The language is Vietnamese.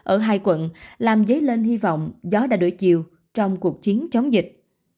ở hai quận làm dấy lên hy vọng gió đã đổi chiều trong cuộc chiến chống dịch